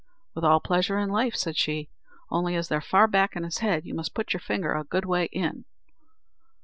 "With all pleasure in life," said she; "only as they're far back in his head, you must put your finger a good way in."